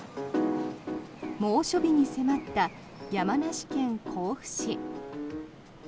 猛暑日に迫った山梨県甲府市。